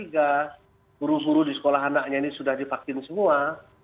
guru guru di sekolah anaknya ini sudah divaksin semua